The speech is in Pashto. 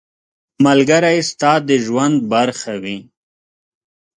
ملګری ستا د ژوند برخه وي.